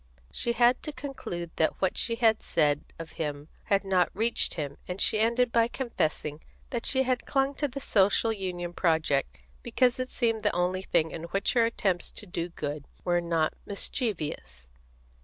She had to conclude that what she had said of him had not reached him, and she ended by confessing that she had clung to the Social Union project because it seemed the only thing in which her attempts to do good were not mischievous.